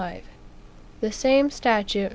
The same statute (ch.